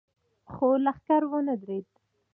خو لښکر ونه درېد.